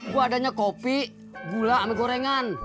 gua adanya kopi gula ame gorengan